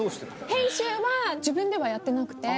編集は自分ではやってなくて。